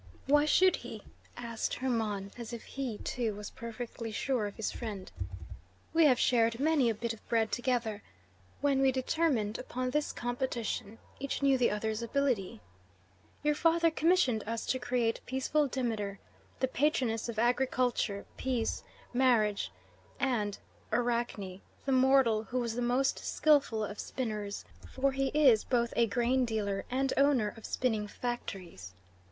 "Why should he?" asked Hermon, as if he, too, was perfectly sure of his friend. "We have shared many a bit of bread together. When we determined upon this competition each knew the other's ability. Your father commissioned us to create peaceful Demeter, the patroness of agriculture, peace, marriage, and Arachne, the mortal who was the most skilful of spinners; for he is both a grain dealer and owner of spinning factories.